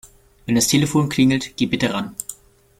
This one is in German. Wenn das Telefon klingelt, geh bitte ran.